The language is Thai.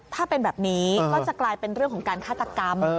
ถ้าเป็นแบบนี้ก็จะกลายเป็นเรื่องของการฆาตกรรม